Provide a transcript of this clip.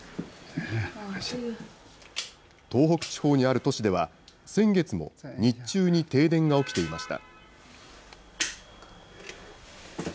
東北地方にある都市では、先月も日中に停電が起きていました。